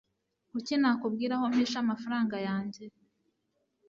kuki nakubwira aho mpisha amafaranga yanjye